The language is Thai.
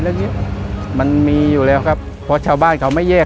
และที่เราต้องใช้เวลาในการปฏิบัติหน้าที่ระยะเวลาหนึ่งนะครับ